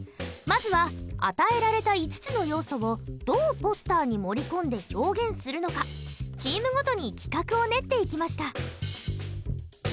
まずは与えられた５つの要素をどうポスターに盛り込んで表現するのかチームごとに企画を練っていきました。